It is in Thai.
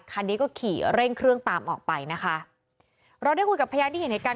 คันนี้ก็ขี่เร่งเครื่องตามออกไปนะคะเราได้คุยกับพยานที่เห็นเหตุการณ์